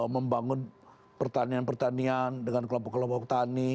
membangun pertanian pertanian dengan kelompok kelompok tani